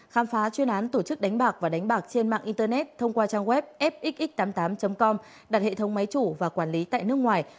khám phá chuyên án tổ chức đánh bạc và đánh bạc trên mạng internet thông qua trang web fxx tám mươi tám com đặt hệ thống máy chủ và quản lý tại nước ngoài